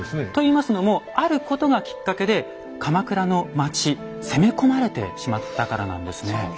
といいますのもあることがきっかけで鎌倉の町攻め込まれてしまったからなんですね。